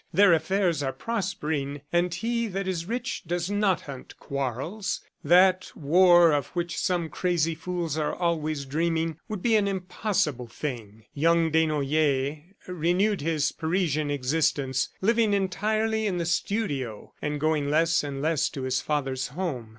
"Their affairs are prospering, and he that is rich does not hunt quarrels. That war of which some crazy fools are always dreaming would be an impossible thing." Young Desnoyers renewed his Parisian existence, living entirely in the studio and going less and less to his father's home.